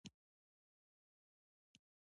د چاربیتو لیکوونکي تر ډېره حده، بېسواد کسان دي.